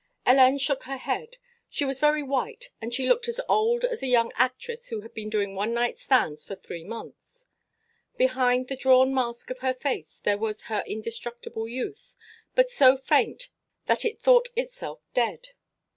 Hélène shook her head. She was very white and she looked as old as a young actress who has been doing one night stands for three months. Behind the drawn mask of her face there was her indestructible youth, but so faint that it thought itself dead.